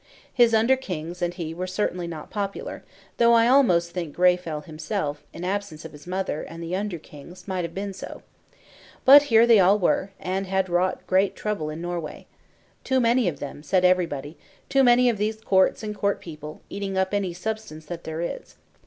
His under kings and he were certainly not popular, though I almost think Greyfell himself, in absence of his mother and the under kings, might have been so. But here they all were, and had wrought great trouble in Norway. "Too many of them," said everybody; "too many of these courts and court people, eating up any substance that there is."